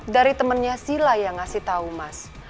dari temennya sila yang ngasih tahu mas